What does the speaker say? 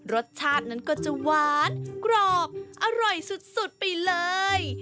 รสชาตินั้นก็จะหวานกรอบอร่อยสุดไปเลย